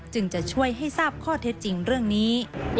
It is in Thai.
จะช่วยให้ทราบข้อเท็จจริงเรื่องนี้